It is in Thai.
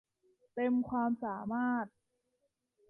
เต็มความสามารถ